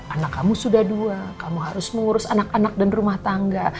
anak kamu sudah dua kamu harus mengurus anak anak dan rumah tangga